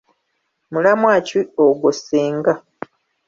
Mulamwa ki ogwo Ssenga?